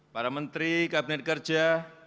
para menteri kabinet kerja